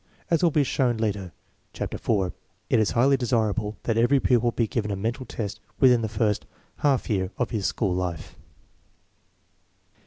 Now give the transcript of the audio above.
As will be shown later (chapter IV), it is highly desirable that every pupil be given a mental test within the first half year of his school life.